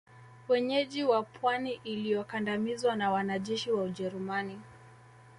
wenyeji wa pwani iliyokandamizwa na wanajeshi wa Ujerumani